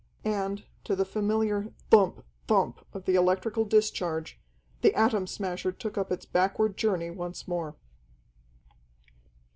And, to the familiar thump, thump of the electrical discharge, the Atom Smasher took up its backward journey once more.